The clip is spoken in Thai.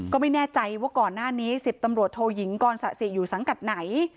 ก็ไม่แน่ใจว่าก่อนหน้านี้๑๐ตำรวจโทยิงกรสะสิอยู่สังกัดไหน